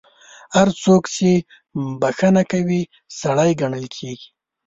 هر څوک چې بخښنه کوي، سړی ګڼل کیږي.